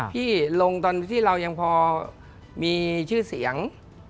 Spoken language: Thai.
พี่ลงตอนที่เรายังพอมีชื่อเสียง